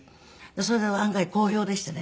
それが案外好評でしてね。